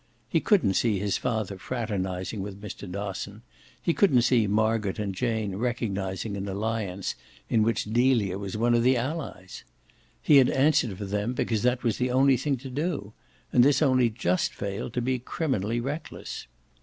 He couldn't see his father fraternising with Mr. Dosson, he couldn't see Margaret and Jane recognising an alliance in which Delia was one of the allies. He had answered for them because that was the only thing to do, and this only just failed to be criminally reckless.